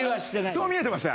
そう見えてました？